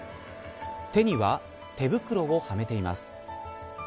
手には手袋をはめています。